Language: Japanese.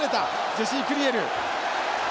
ジェシークリエル。